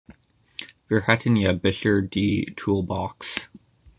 Wir hatten ja bisher die Toolbox.